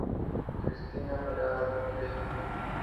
Cristina Miranda de Plate.